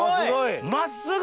真っすぐ！